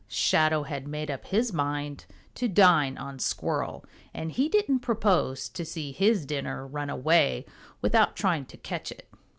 Shadow had made up his mind to dine on Squirrel, and he didn't propose to see his dinner run away without trying to catch it.